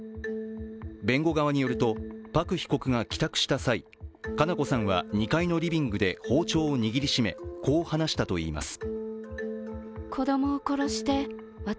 弁護側によると、朴被告が帰宅した際、佳菜子さんは２階のリビングで包丁を握りしめ、こう話したといいます。